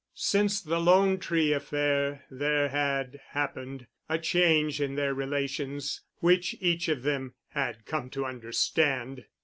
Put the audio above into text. Since the "Lone Tree" affair there had happened a change in their relations which each of them had come to understand.